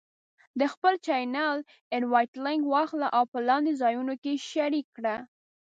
د خپل چینل Invite Link واخله او په لاندې ځایونو کې یې شریک کړه: